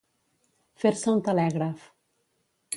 Fer-se un telègraf.